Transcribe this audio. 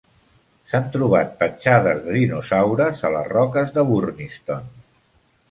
S"han trobat petjades de dinosaures a les roques de Burniston.